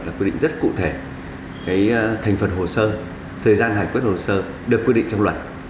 là quy định rất cụ thể thành phần hồ sơ thời gian hải quyết hồ sơ được quy định trong luật